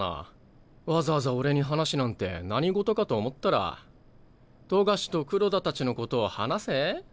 わざわざ俺に話なんて何事かと思ったら冨樫と黒田たちのことを話せ？